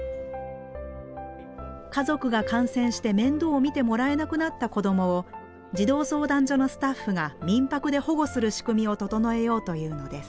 家族が感染して面倒を見てもらえなくなった子供を児童相談所のスタッフが民泊で保護する仕組みを整えようというのです。